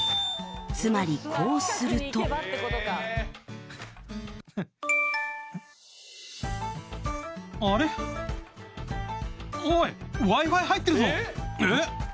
つまりこうするとえっ？